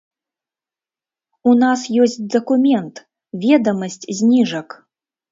У нас ёсць дакумент, ведамасць зніжак.